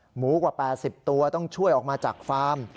หมูกว่า๘๐ตัวต้องช่วยออกมาจากฟาร์ม